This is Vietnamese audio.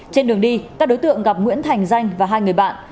trên đường đi các đối tượng gặp nguyễn thành danh và hai người bạn